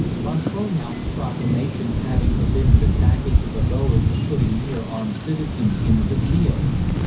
Von Kronhelm's proclamation having forbidden the tactics of the Boers of putting mere armed citizens into the field.